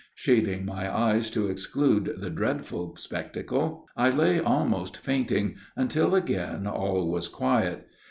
Shading my eyes to exclude the dreadful spectacle, I lay almost fainting, until again all was quiet.